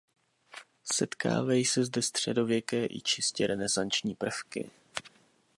Setkávají se zde středověké i čistě renesanční prvky.